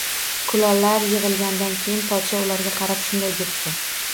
Kulollar yig‘ilgandan keyin podsho ularga qarab shunday debdi